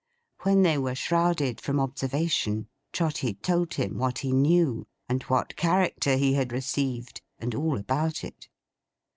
When they were shrouded from observation, Trotty told him what he knew, and what character he had received, and all about it.